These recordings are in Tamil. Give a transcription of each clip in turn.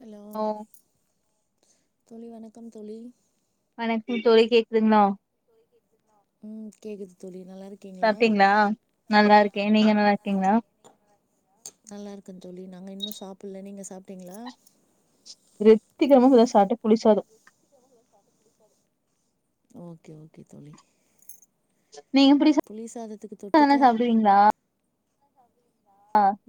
ஹலோ ஓ தோழி வணக்கம் தோழி வணக்கம் தோழி கேக்குதுங்களா உ கேக்குது தோழி நல்லா இரு சாப்டிங்களா நல்லா இருக்கே நீங்க நல்லா இருக்கீங்களா நல்லா இருக்கே தோழி நாங்க இன்னு சாப்புடல்ல நீங்க சாப்டீங்களா விருத்திகெரமா இப்பதா சாப்டன் புளிசாதோ ஓகே ஓகே தோழி நீங்க எப்டி புளி சாதத்துக்கு தொட்டுக்க ம்மால்லா சாப்டுவீங்களா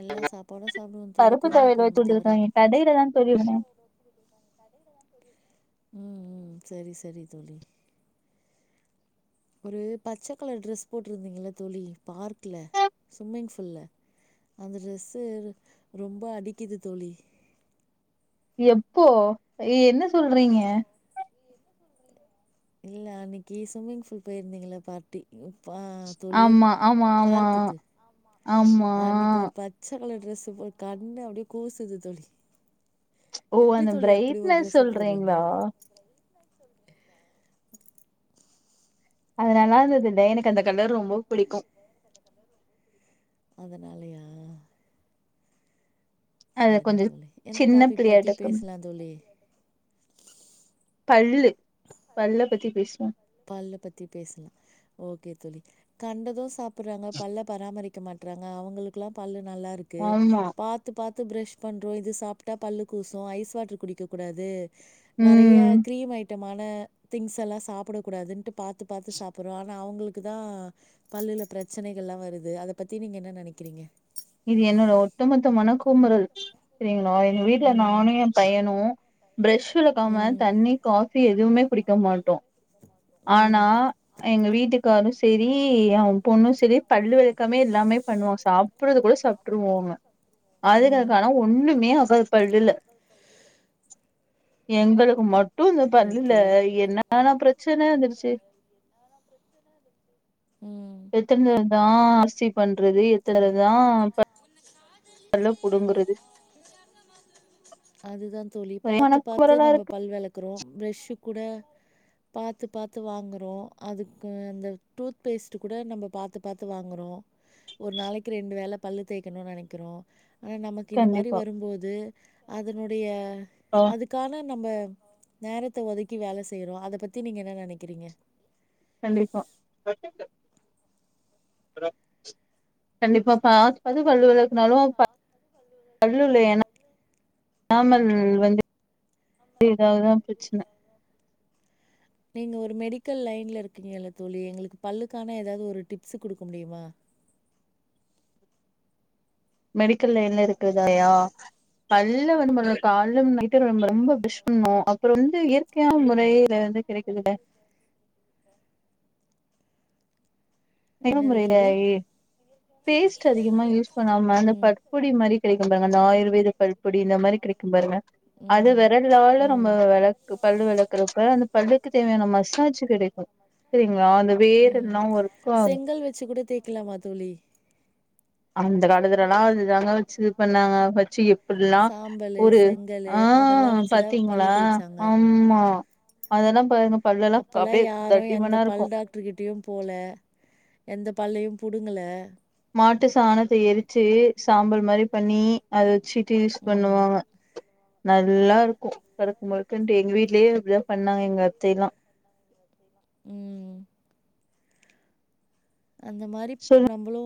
எல்லா சாப்பாடு சாப்புடுவே தோழி பருப்பு குருமா தொவையல் வச்சு குழம்பு தவர குடுத்துருக்காங்க கடையில தா தோழி இருந்தே உ உ சேரி சேரி தோழி ஒரு பச்ச கலர் ட்ரெஸ் போட்டிருந்தீங்கள தோழி பார்க்ல சுவிம்மிங் ஃபுல்ல அந்த ட்ரெஸ்ஸு ரொம்ப அடிக்குது தோழி எப்போ என்ன சொல்றீங்க இல்ல அன்னிக்கி ஸ்விம்மிங் ஃபூல் போயிருந்தீங்களா பார் டி ப்பா தோழி ஆமா ஆமா ஆமா பார்க்குக்கு ஆமா அன்னிக்கு ஒரு ப பச்சக்கலர் ட்ரெஸ் போ கண்ண அப்டி கூசுது தோழி ஓ எப்டி அந்த தோழி அப்டி ஒரு பிரைட்னஸ் ட்ரெஸ்ஸ போடுறீங்க சொல்றீங்களா அத நல்லா இருந்ததுல்ல எனக்கு அந்த கலர் ரொம்ப பிடிக்கு அதுனாலயா அது சரி கொஞ்சோ தோழி எந்த சின்ன டாபிக் பிள்ளையா பத்தி டுக்கு பேசலா தோழி பல்லு பல்ல பத்தி பேசுவோ பல்ல பத்தி பேசலா ஓகே தோழி கண்டது சாப்டுறாங்க பல்ல பராமரி க்க மாட்றாங்க அவங்களுக்குல்லா பல்லு நல்லா இருக்கு ஆமா பா பாத்து பாத்து ப்ரெஷ் பண்றோ இது சாப்ட்டா பல்லு கூசு ஐஸ் வாட்ரு குடிக்கக்கூடாது நறைய ம் கிரீம் ஐட்டமான திங்ஸ்ஸலா சாப் புடகூடாதுன்ட்டு பாத்து பாத்து சாப்புட்றோ ஆனா அவுங்களுக்குதா பல்லுல ப்ரச்சனைகள்லா வருது அத பத்தி நீங்க என்ன நெனைக்கிறீங்க இது என்னோட ஒட்டுமொத்த மன குமறல் செரிங்ளா எங்க வீட்ல ம். நானு எ பையணு ப்ரெஷ் வெளக்காம ம். தண்ணி காஃபி எதுவுமே குடிக்க மாட்டோ ஆனா ம். எங்க வீட்டுக்காரு செரி எ பொண்ணு செரி பல்லு வெளக்கமே எல்லாமே பண்ணுவா சாப் ப்புறதுகூட சாப்ட்ருவாங்க அதுங்க ம். கன ஒன்னுமே ஆகாது பல்லுல எங்களுக்கு மட்டு டும் இந்த பல்லுல ஓகே. என்னன்னா ப்ரச் சன்ன வந்துருச்சு ம். எத்தனதா அரிசி பண்றது அது எத்தனதா ப பல்ல புடுங்கறது அதுதா தோழி ஒரே பாத்து பாத்து மனக்கொரலா நம்ம இருக்கு பல் வெளக்குறோ ப்ரெஷுகூட பாத்து பாத்து வாங்குறோ அதுக்கு அந்த டூத் பேஸ்ட்டுகூட நம்ம பாத்து பாத்து வாங்குறோ ஒரு நாளைக்கு ரெண்டு வேல பல்லு தேய்க்கணு நெனைக்குறோ ஆனா நமக்கு இந்தமாரி கண்டிப்பா வரும்போது அதனுடைய ஆ அதுக் கான நம்ப நேரத்த ஒதுக்கி வேல செய்யுறோ அத பத்தி நீங்க என்ன நெனைக்கிறீங்க கண்டிப்பா கண்டிப்பா பாத்து பாத்து பல்லு வெளக் நல்லா ஒ பல்லுல எனா [unintelligible] எதாத்தா ப்ரச்சன [inaudible] நீங்க ஒரு மெடிக்கல் லைன்ல இருக்கீங்கல்ல தோழி எங்களுக்கு பல்லுக்கான எதாது ஒரு டிப்ஸ்சு குடுக்க முடியுமா மெடிக்கல் லைன்ல இருக்கதாலயா பல்ல வந்து நம்ப கால்ல நைட்டு ரொம்ப ரொம்ப ப்ரெஷ் பண்ணு அப்புறோ வந்து இயற் கையான முறைல வந்து கிடைக்குதுல்ல என்னது தோழி? [unintelligible] பேஸ்ட் அதிகமா யூஸ் பண்ணாம அந்த ம். ப பொடிமாரி கெடைக்கு பாருங்க அந்த ஆயுர்வேத பல்பொடி இந்தமாரி கெடைக்கு பாருங்க அது ம். வெரலால ம். நம்ம வெளக்கு பல்லு வெளக்குறப்ப அந்த பல்லுக்கு தேவையான மசாஜ் கெடைக்கு செரிங்களா அந்த வேர் ம் எல்லா ஒரு செங்கல் வெச்சுகூட தேக்கலாமா தோழி அந்த காலத்துலலா அது தாங்க வெச்சு இது பண்ணாங்க வெச்சு எப் புல்லா சாம்பலு ஒரு செங்கலு ஆ அதெல்லா வச்சுதா பல்லு பாத்தீங்ளா தேய்ச்சாங்க ஆம்மா அதெல்லா பாருங்க அப்பல்லா யாரு எந்த தடிமனா இருக்கு பல் டாக் கிட்டியு போல எந்த பல்லையு புடுங்கல மாட்டு சாணத்த எருச்சு சாம்பல்மாரி பண்ணி அத வெச்சுட்டு யூஸ் ம் பண்ணுவாங்க நல்லாருக்கு கருக்கு முருக்குன்ட்டு எங்க வீடலயே அப்டிதா பண்ணாங்க எங்க அத்தைலா ம் அந்தமாரி சொல்லு நம்மளு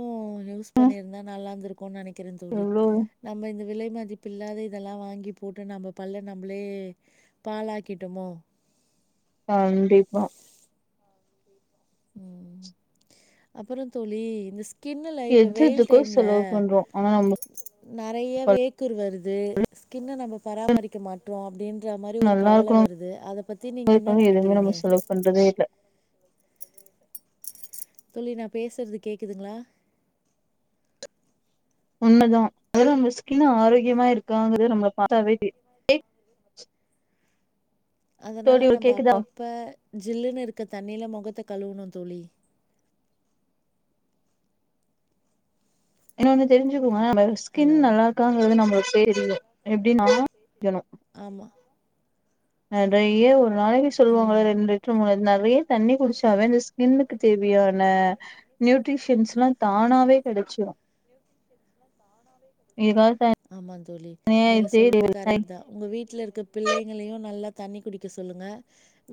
யூஸ் பண்ணிருந்தா நல்லாந்துருக் நெனைக்கிறே தோழி எவ்ளோ நம்ம இந்த விலை மதிப் பில்லாத இதெல்லா வாங்கி போட்டு நம்ப பல்ல நம்பளே பாலாக்கிட்டமோ கண்டிப்பா ம் அப்பறோ தோழி இந்த ஸ்கின்னுல இப்ப எது வெயில் எதுக்கோ டைம்ல செலவு பண்றோ ஆனா நமக்கு நெறைய வேக்குரு வருது ஸ்கின்ன நம்ம பராமரிக் க மாட்டோ அப்டின்ற மாரி ஒரு நல்லா கவல வருது அத பத்தி நீங்க என்ன இருக்கணு எதுவுமே நெனைக்கிறீங்க நம்ம செலவு பண்றதே இல்ல தோழி நா பேசுறது கேக்குதுங்களா உண்மதா அதால நம்ம ஸ்கின் ஆரோக்கியமா இருக்காங்குறது நம்மள பாத்தாவே [inaudible] அதனால தோழி ஒரு நம்ம கேக்குதா அப்பப்ப ஜில்லுன்னு இருக்க தண்ணில மொகத்த கழுவணு தோழி இன்னோனு தெரிஞ்சுக்கோங்க நம்ம ஸ்கின் ஹலோ நல்லா இருக்காங்குறது நம்மளுக்கே தெரியு எப்டினா ஆமா நெறைய ஒரு நாளைக்கு சொல்லுவாங்கள ம் ரெண்டு லிட்ரு மூணு நெறைய தண்ணி குடுச்சாவே இந்த ஸ்கின்னுக்கு தேவையான நியூட்ரிஷன்ஸ்ல்லா தானாவே கெடச்சுரு இதுக்காக ஆமா தோழி தனியா நீங்க இதே சொல்றது கரெக்ட் தா ஒங்க வீட்ல இருக்க பிள்ளைங்களையு நல்லா தண்ணி குடிக்க சொல்லுங்க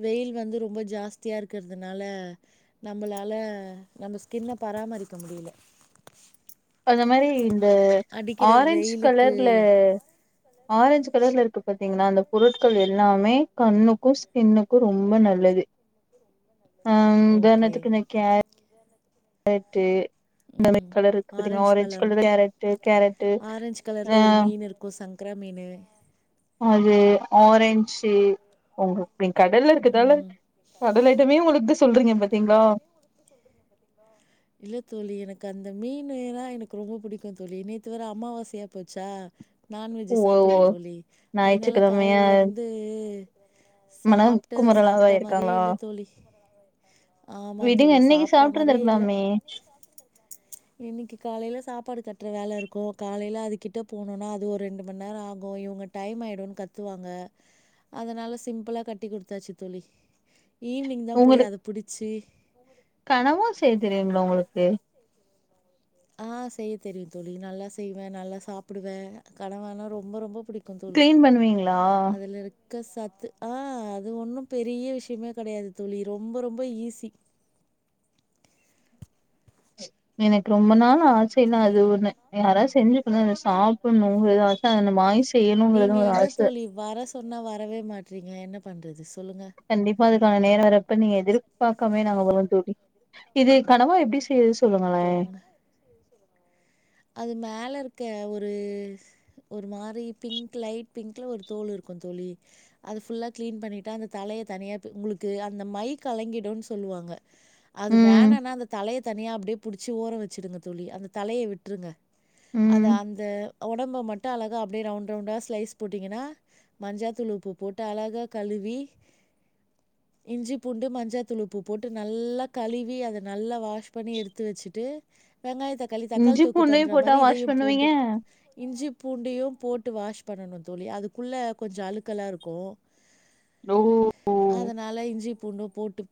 வெயில் வந்து ரொம்ப ஜாஸ் தியா இருக்கறதுனால நம்மளால நம்ம ஸ்கின்ன பராமரிக்க முடில அந்த மாரி இந்த அடிக்கிற ஆரஞ்சு வெயிலுக்கு கலர்ல ஆரஞ்ச் கலர்ல இருக்கு பாத்தீங்கள்ளா அந்த பொருட்கள் எல்லாமே கண்ணுக்கு ஸ்கின்னுக்கு ரொம்ப நல்லது [inaudible] ஆ ஓகே. உதாரணத்துக்கு இந்த கேரட்டு இந்த மாரி ம். கலர் இருக்கு பாத்தீங்கா ஆரஞ்சு ஆரஞ்ச் பழம். கலர் கேரட்டு கேரட்டு ஆ கோ சங்க்ரா மீனு அது ஆரஞ்சு வெங் கடல்ல இருக்கதால ம். கடல் ஐட்டமே ஒங்களுக்கு சொல்றீங்க பாத்தீங்களா இல்ல தோழி எனக்கு அந்த மீனு னா எனக்கு ரொம்ப புடிக்கு தோழி நேத்து வேர அம்மாவாசையா போச்சா நான்வெஜ்ஜு ஓ ஓ சாப்பல்ல தோழி அதுனால ஞாயிற்றுக்கிழமையா காலேல இருந்து மனம் சாப்ட்டு குமரலாவா சாப்ட்டா மாரியே இருக்காங்களா இல்ல தோழி ஆமா விடுங்க தோழி இன்னைக்கு சாப்ட்டா சாப்ட்டு மாரியே இல்ல இருந்திருக்கலாமே இன்னைக்கு காலேல சாப்பாடு கட்ற வேல இருக்கு காலேல அதுக்கிட்ட போணுனா அது ஒரு ரெண்டு மண் நேரோ ஆகு கு இவுங்க டைம் ஆய்டுன் கத்துவாங்க அதுனால சிம்பிளா கட்டி குடுத்தாச்சு தோழி ஈவினிங் தா போய் உங்களுக்கு அத புடுச்சு கனவா செய்ய தெரியுங்ளா ஒங்களுக்கு ஆ செய்ய தெரியு தோழி நல்லா செய்வே நல்லா சாப்டுவே கனவானா ரொம்ப ரொம்ப புடிக் கிளீன் பண்ணுவீங்களா க்க சத்து ஆ அது ஒன்னு பெரிய விஷ்யமே கெடையாது தோழி ரொம்ப ரொம்ப ஈஸி எனக்கு ரொம்ப நாள் ஆசேன்னா அது ஒன்னு யாராவது செஞ்சு குடுக்கனு அத சாப்பண்ணுங்கறது ஆச அத வாங்கி செய்யணுங்கறது நீங்கள் ஒரு எங்கே ஆச தோழி வர சொன்னா வரவே மாட்றீங்க என்ன பண்றது சொல்லுங்க கண்டிப்பா அதுக்கான நேரோ வர்ரப்ப நீங்க எதிர்பாக்காமயே நாங்க வருவோ தோழி இது கனவா எப்டி செய்றது போங்க அது மேல இருக்க ஒரு ஒரு மாரி பிங்க் லைட் பிங்க்ல ஒரு தோல் இருக்கு தோழி அது ஃபுல்லா க்ளீன் பண்ணிட்டு அந்த தலைய தனியா பி உங்களுக்கு அந்த மை கலங்கிடுன் சொல்லுவாங்க அது ம் வேணானா அந்த தலய தனியா அப்டியே புடுச்சு ஓரோ வச்சுடுங்க தோழி அந்த தலய விட்ருங்க அது ம் அந்த ஒடம்ப மட்டு அழகா அப்டியே ரவுண்ட் ரவுண்டா ஸ்லைஸ் போட்டிங்கன்னா மஞ்சாத்தூள் உப்பு போட்டு அழகா கழுவி இஞ்சி பூண்டு மஞ்சாத்தூளு உப்பு போட்டு நல்லா கழுவி அத நல்லா வாஷ் பண்ணி எடுத் து வெச்சுட்டு வெங்காய தக்காளி தக்காளி இஞ்சி தொக்கு பூண்டையும் பண்ற போட்டா மாரி வாஷ் இதயும் பண்ணுவீங்க போன்ட்டு இஞ்சி பூண்டையும் போட்டு வாஷ் பண்ணணு தோழி அதுக்குள்ள கொஞ்சோ அழுக்கலா இருக்கு ஓ அதனால இஞ்சி பூண்டு போட்டு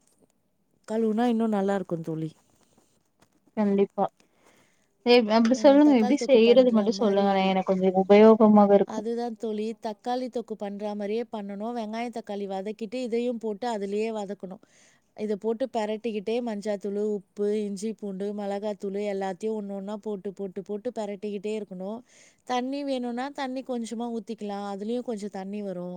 கழுவுனா இன்னு நல்லாருக்கு தோழி கண்டிப்பா எப் அப்டி அ சொல்லுங்க தக்காளி எப்டி தொக்கு செய்யறது பண்ற மட்டு மாரி சொல்லுங்களே எனக்கு கொஞ்சோ உபயோகமாக இருக்கு அதுதா தோழி தக்காளி தொக்கு பண்ற மாரியே பண்ணனு வெங்காய தக்காளி வதக்கிட்டு இதையு போட்டு அதுலியே வதக்கணு இத போட்டு பெரட்டிக்கிட்டே மஞ்சாத்தூளு உப்பு இஞ்சி பூண்டு மெளகாத்தூளு எல்லாத்யு ஒன்னொன்னா போட்டு போட்டு போட்டு பரட்டிக்கிட்டே இருக்கணு தண்ணி வேணுனா தண்ணி கொஞ்சமா ஊத்திக்லா அதுலியு கொஞ்ச தண்ணி வரு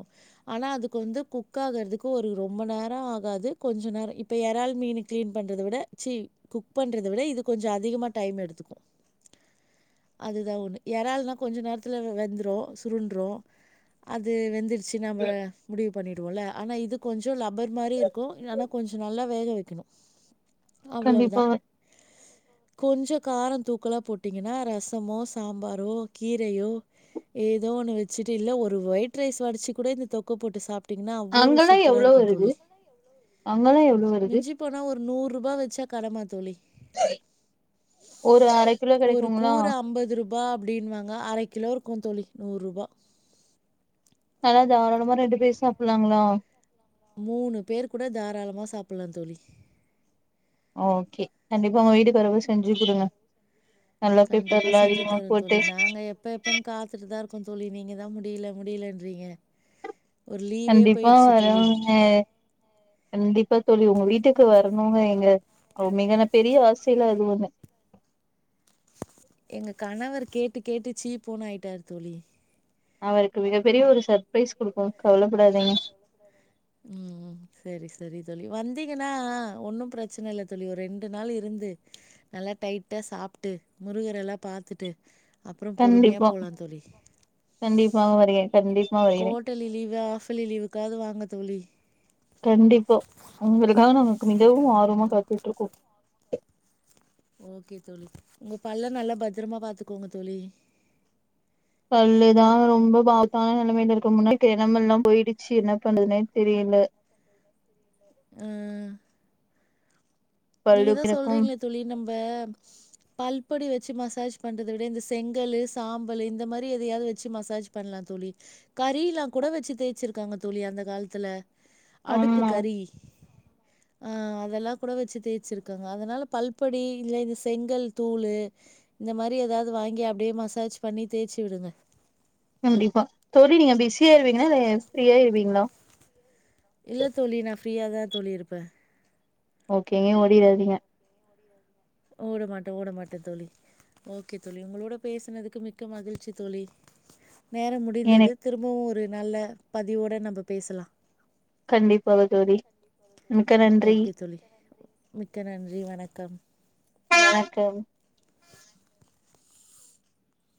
ஆனா அதுக்கு வந்து குக் ஆகுற்துக்கு ஒரு ரொம்ப நேரோ ஆகாது கொஞ்சோ நேரோ இப் இப்ப எறால் மீனு க்ளீன் பண்ணுறத விட சி குக் பண்றத விட இது கொஞ்ச அதிகமா டைம் எடுத்துக்கு அதுதா ஒன்னு ஏறால்னா கொஞ்ச நேரத்தில வ வெந்துரு சுருண்டுரு அது வெந்துரு ச்சினா வ முடிவு பண்ணிடுவோல ஆனா இது கொஞ்சோ லப்பர் மாரி இருக்கு ஆனா கொஞ்ச நல்லா வேக வெக்கிணு அவ்வளவுதா கண்டிப்பா கொஞ்சோ காரந் தூக் கலா போட்டீங்கன்னா ரசமோ சாம்பாரோ கீரையோ ஏதோ ஒன்னு வெச்சுட்டு இல்ல ஒரு ஒயிட் ரைஸ் வடிச்சு கூட இந்த தொக்க போட்டு சாப் டிங்ன்னா அவ்வளவு அங்கெல்லா சூப்பரா எவ்ளோ இருக்கு வருது தோழி அங்கெல்லா எவ்ளோ வருது மிஞ்சி போனா ஒரு நூறுபா வெச்சா கடம்மா தோழி ஒரு அரை ஒரு கூறு அம்பதுருபா அப்டின்வாங்க அர கிலோ இருக்கு தோழி நூறுபா நல்லா தாராளமா ரெண்டு பேர் சாப்பில்லாங்களா மூணு பேரு கூட தாராளமா சாப்பிலா தோழி ஓகே கண்டிப்பா உங்க வீட்டுக்கு வரும் போது செஞ்சு குடுங்க நல்லா கண்டிப்பா பெப்பர்லா செஞ்சு அதிகமா தரோம் தோழி. போட்டு நாங்க எப்ப எப்பனு காத்துட்டுதா இருக்கோ தோழி நீங்க தா முடில முடிலன்றீங்க கண்டிப்பா தோழி. வரோங்க கண்டிப்பா தோழி உங்க வீட்டுக்கு வரணுங்க எங்க அ மிகனப்பெரிய ஆசையில அது ஒண்ணு எங்க கணவர் கேட்டு கேட்டு சீ போனு ஆயிட்டார் தோழி அவருக்கு மிகப் பெரிய ஒரு சர்ப்ரைஸ் குடுப்போ கவலப்படாதீங்க ம் ம் செரி செரி தோழி வந்தீங்கனா ஒன்னும் ப்ரெச்சன இல்ல தோழி ஒரு ரெண்டு நாள் இருந்து நல்லா டைட்டா சாப்ட்டு முருகர எல்லா பாத்துட்டு அப்புறோ பொறுமியா கண்டிப்பா போலாந்தோழி கண்டிப்பாக வருகிறே கண்டிப்பா வருகிறே கோட்டேலி லீவு ஆஃபலி லீவுக்காவ்து வாங்க தோழி கண்டிப்பா உங்களுக்காக நாங்க கு மிகவும் ஆர்வமா காத்துட்ருக்கோ ஓகே தோழி உங்க பல்ல நல்லா பத்திரமா பாத்துக்கோங்க தோழி பல்லுதா ரொம்ப ஆபாத்தான நெலமைல இருக்கு முன்னாடிக்க எடமெல்லா போயிடுச்சு என்ன பண்றதுன்னே தெரியல அ நீங்க பல்லு தா எனக்கும் சொல்றீங்ளே தோழி நம்ப பல்பொடி வெச்சு மசாஜ் பண்றத விட இந்த செங்கலு சாம்பலு இந்த மாரி எதையாவது வெச்சு மசாஜ் பண்லா தோழி கறி எல்லா கூட வச்சு தேய்ச்சிருக்காங்க தோழி அந்த காலத்துல அடுப்பு ஆமா கறி அதெல்லா கூட வச்சு தேச்சிருக்காங்க அதனால பல்பொடி இல்ல இந்த செங்கல் தூளு இந்த மாரி ஏதாது வாங்கி அப்டியே மசாஜ் பண்ணி தேச்சு விடுங்க கண்டிப்பா தோழி நீங்க பிஸியா இருபிங்ல இல்ல இப்டியே இருபிங்ளா இல்ல தோழி நா ஃப்ரியா தா தோழி இருப்பே ஓகேங்க ஓடிராதிங்க ஓட மாட்ட ஓட மாட்ட தோழி ஓகே தோழி உங்களோட பேசுனதுக்கு மிக்க மகிழ்ச்சி தோழி நேரம் முடிந்தது எனக்கு திரும்பவு ஒரு நல்ல பதிவோட நம்ப பேசலா கண்டிப்பாக தோழி மிக்க நன்றி ஓகே தோழி மிக்க நன்றி வணக்கம் வணக்கம்